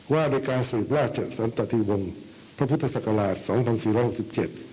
ว่าด้วยการสูบราชสันตะทีวงพระพุทธศักราช๒๔๖๗